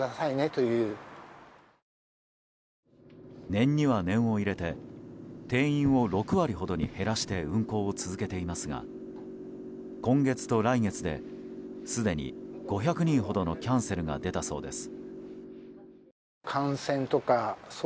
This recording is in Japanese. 念には念を入れて定員を６割ほどに減らして運航を続けていますが今月と来月ですでに５００人ほどのキャンセルが出たそうです。